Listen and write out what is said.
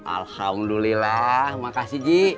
alhamdulillah makasih ji